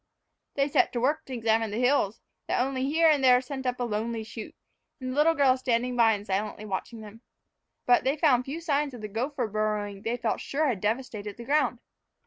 They set to work to examine the hills, that only here and there sent up a lonely shoot, the little girl standing by and silently watching them. But they found few signs of the gopher burrowing they felt sure had devastated the ground.